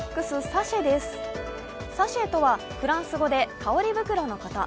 サシェとは、フランス語で香り袋のこと。